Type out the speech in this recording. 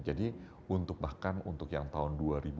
jadi untuk bahkan untuk yang tahun dua ribu dua puluh lima dua ribu tiga puluh